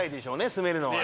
住めるのはね。